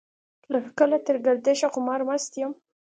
له فکله تر ګردشه خمار مست يم.